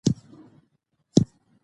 کبير: هغه ماته په مخه راغلو.